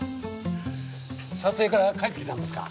撮影から帰ってきたんですか。